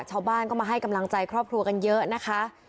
ชาวบ้านก็มาให้กำลังใจครอบครัวกันเยอะนะคะ